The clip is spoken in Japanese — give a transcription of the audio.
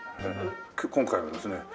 今回はですね